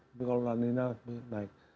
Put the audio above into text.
tapi kalau la lina lebih naik